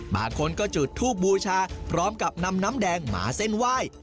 บางคนก็จุดทูบบูชาพร้อมกับนำน้ำแดงมาเส้นไหว้